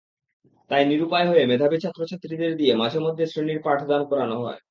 তাই নিরূপায় হয়ে মেধাবী ছাত্রছাত্রীদের দিয়ে মাঝেমধ্যে শ্রেণীর পাঠদান করানো হয়।